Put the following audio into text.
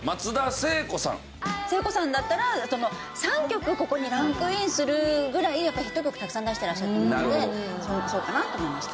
聖子さんだったら３曲ここにランクインするぐらいヒット曲をたくさん出してらっしゃったのでそうかな？と思いました。